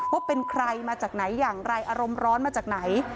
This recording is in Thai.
ว่าเป็นใครมาจากไหนอย่างไรอารมณ์ร้อนมาจากไหน